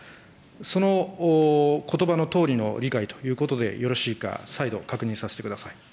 そのことばのとおりの理解ということでよろしいか、再度、確認させてください。